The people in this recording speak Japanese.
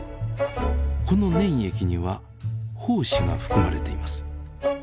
この粘液には胞子が含まれています。